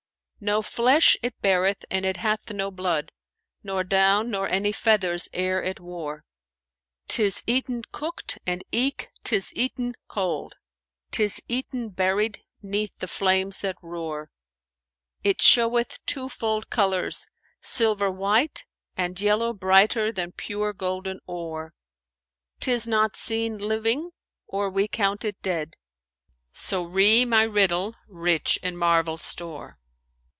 No flesh it beareth and it hath no blood, * Nor down nor any feathers e'er it wore. 'Tis eaten cooked and eke 'tis eaten cold; * 'Tis eaten buried 'neath the flames that roar: It showeth twofold colours, silver white * And yellow brighter than pure golden ore: 'Tis not seen living or we count it dead: * So ree my riddle rich in marvel store!'"